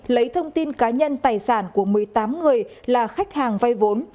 lấy thông tin cá nhân tài sản của một mươi tám người là khách hàng vay vốn